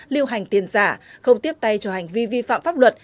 lưu hành tiền giả không tiếp tay cho hành vi vi phạm pháp luật